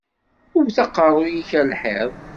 Wwet aqeṛṛu-k ar lḥiḍ!